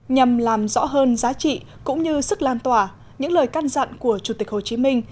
nhằm làm rõ hơn giá trị cũng như sức lan tỏa những lời căn dặn của chủ tịch hồ chí minh